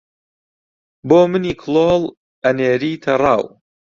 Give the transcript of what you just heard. بۆ منی کڵۆڵ ئەنێریتە ڕاو